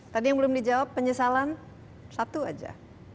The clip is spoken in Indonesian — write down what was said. tadi yang belum dijawab penyesalan satu aja